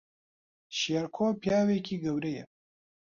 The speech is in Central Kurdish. شێرکۆ پیاوێکی گەورەیە